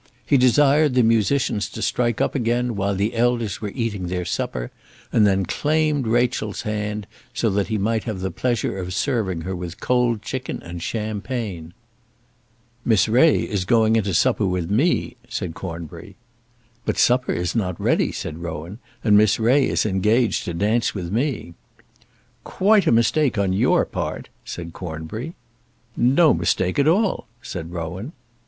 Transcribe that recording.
He desired the musicians to strike up again while the elders were eating their supper, and then claimed Rachel's hand, so that he might have the pleasure of serving her with cold chicken and champagne. "Miss Ray is going into supper with me," said Cornbury. "But supper is not ready," said Rowan, "and Miss Ray is engaged to dance with me." "Quite a mistake on your part," said Cornbury. "No mistake at all," said Rowan.